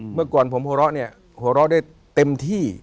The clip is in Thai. เมื่อก่อนผมหัวเราะเนี่ยหัวเราะได้เต็มที่